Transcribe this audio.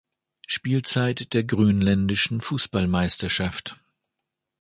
Spielzeit der Grönländischen Fußballmeisterschaft.